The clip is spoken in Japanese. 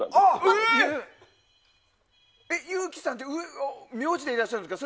え、ゆうきさんって名字でいらっしゃるんですか。